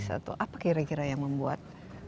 atau apa kira kira yang membuat